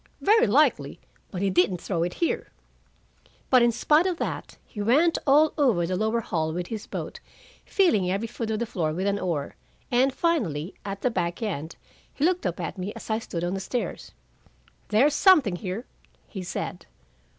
"Very likely. But he didn't throw it here." But in spite of that, he went over all the lower hall with his boat, feeling every foot of the floor with an oar, and finally, at the back end, he looked up at me as I stood on the stairs. "There's something here," he said.